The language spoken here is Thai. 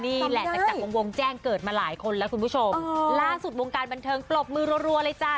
นี่แหละจากวงวงแจ้งเกิดมาหลายคนแล้วคุณผู้ชมล่าสุดวงการบันเทิงปรบมือรัวเลยจ้า